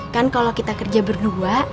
kan kalau kita kerja berdua